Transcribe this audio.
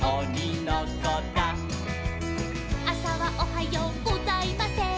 「あさはおはようございません」